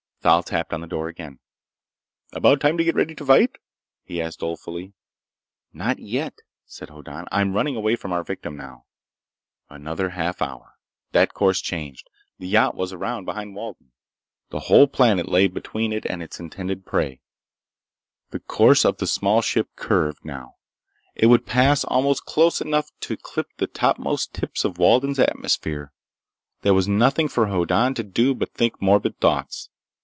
Thal tapped on the door again. "About time to get ready to fight?" he asked dolefully. "Not yet," said Hoddan. "I'm running away from our victim, now." Another half hour. The course changed. The yacht was around behind Walden. The whole planet lay between it and its intended prey. The course of the small ship curved, now. It would pass almost close enough to clip the topmost tips of Walden's atmosphere. There was nothing for Hoddan to do but think morbid thoughts.